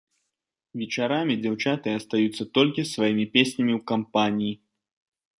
Вечарамі дзяўчаты астаюцца толькі з сваімі песнямі ў кампаніі.